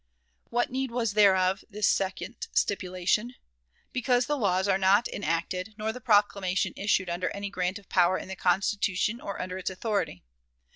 What need was thereof this second stipulation? Because the laws were not enacted, nor the proclamation issued under any grant of power in the Constitution or under its authority.